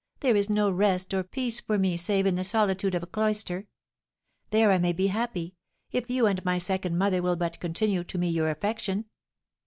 There is no rest or peace for me save in the solitude of a cloister. There I may be happy, if you and my second mother will but continue to me your affection."